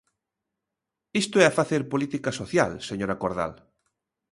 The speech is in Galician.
Isto é facer política social, señora Cordal.